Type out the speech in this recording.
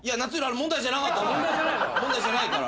問題じゃないの？